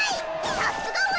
さすが俺。